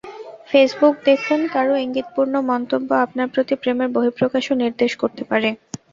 Facebook দেখুন কারও ইঙ্গিতপূর্ণ মন্তব্য আপনার প্রতি প্রেমের বহিঃপ্রকাশও নির্দেশ করতে পারে।